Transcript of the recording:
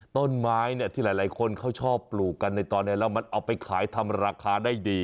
ต้นไม้เนี่ยที่หลายคนเขาชอบปลูกกันในตอนนี้แล้วมันเอาไปขายทำราคาได้ดี